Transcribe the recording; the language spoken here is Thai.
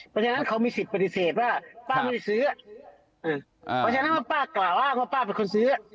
เพราะฉะนั้นเขามีสิทธิ์ปฏิเสธว่าป้าไม่ได้ซื้อเพราะฉะนั้นว่าป้ากล่าวอ้างว่าป้าเป็นคนซื้อ